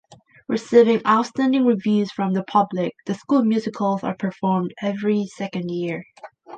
Receiving outstanding reviews from the public, the school musicals are performed every second year.